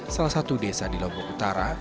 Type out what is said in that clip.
salah satu desa di lombok utara